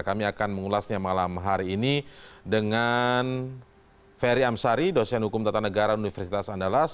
kami akan mengulasnya malam hari ini dengan ferry amsari dosen hukum tata negara universitas andalas